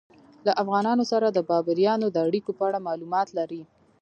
له افغانانو سره د بابریانو د اړیکو په اړه معلومات لرئ؟